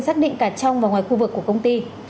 xác định cả trong và ngoài khu vực của công ty